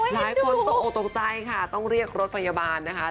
หลายคนตกออกตกใจค่ะต้องเรียกรถพยาบาลนะคะ